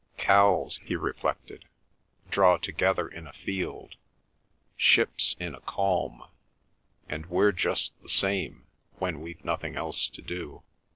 "Cows," he reflected, "draw together in a field; ships in a calm; and we're just the same when we've nothing else to do.